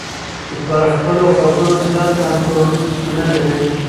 پر خپلو خبرو زیات کنټرول نلري.